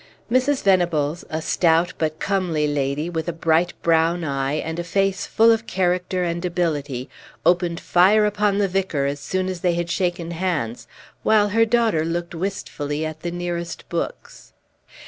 Mrs. Venables, a stout but comely lady, with a bright brown eye, and a face full of character and ability, opened fire upon the vicar as soon as they had shaken hands, while her daughter looked wistfully at the nearest books.